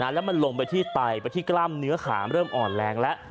แล้วมันลงไปที่ไตไปที่กล้ามเนื้อขาเริ่มอ่อนแรงแล้ว